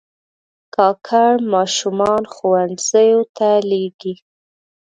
کاکړ ماشومان ښوونځیو ته لېږي.